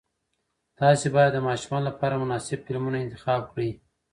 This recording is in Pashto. تاسې باید د ماشومانو لپاره مناسب فلمونه انتخاب کړئ.